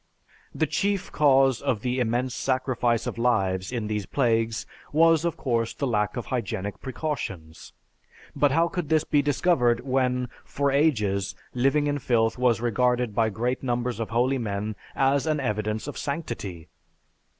The chief cause of the immense sacrifice of lives in these plagues was of course the lack of hygienic precautions. But how could this be discovered when, for ages, living in filth was regarded by great numbers of holy men as an evidence of sanctity!